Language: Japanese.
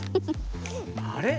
あれ？